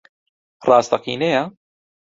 ڕاستەقینەیە؟